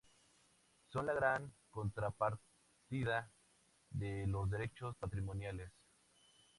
Son la contrapartida de los derechos patrimoniales.